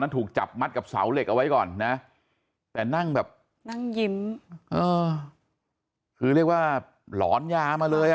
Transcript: ถูกจับมัดกับเสาเหล็กเอาไว้ก่อนนะแต่นั่งแบบนั่งยิ้มเออคือเรียกว่าหลอนยามาเลยอ่ะ